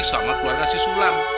sama keluarga si sulam